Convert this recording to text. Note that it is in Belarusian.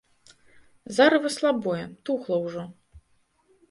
Зарыва слабое, тухла ўжо.